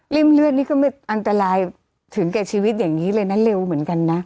เลือดนี่ก็ไม่อันตรายถึงแก่ชีวิตอย่างนี้เลยนะเร็วเหมือนกันนะ